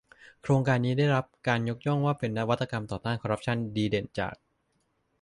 โครงการนี้ได้รับการยกย่องว่าเป็นนวัตกรรมต่อต้านการคอร์รัปชั่นดีเด่นจาก